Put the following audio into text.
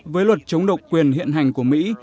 với luật chống độc quyền hiện hành của mỹ